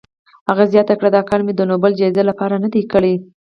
هغه زیاته کړه، دا کار مې د نوبل جایزې لپاره نه دی کړی.